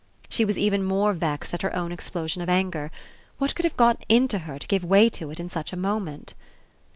She was even more vexed at her own explosion of anger. What could have got into her to give way to it in such a moment?